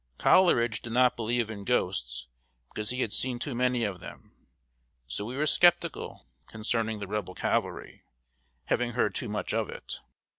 Coleridge did not believe in ghosts, because he had seen too many of them. So we were skeptical concerning the Rebel cavalry, having heard too much of it.